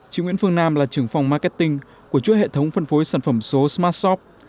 chị nguyễn phương nam là trưởng phòng marketing của chuỗi hệ thống phân phối sản phẩm số smartshop